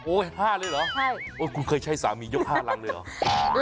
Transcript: โอ้ยห้าเลยเหรอใช่โอ้ยคุณเคยใช้สามียกห้ารังเลยเหรอ